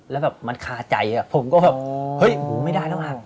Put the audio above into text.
แล้วแบบมันคาใจผมก็แบบเฮ้ยไม่ได้แล้วอ่ะ